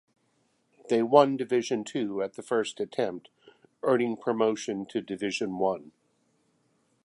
They won Division Two at the first attempt, earning promotion to Division One.